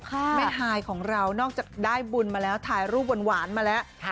แม่ฮายของเรานอกจากได้บุญมาแล้วถ่ายรูปหวานมาแล้ว